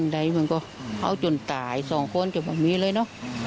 คือเนี่ยมันก็เอาจนตายสองคนนั้นให้พบมี่เลยเนอะ